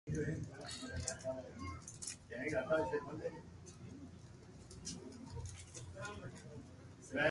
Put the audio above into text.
آپري نوم سائين ني ھڻاو